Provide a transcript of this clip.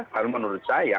karena menurut saya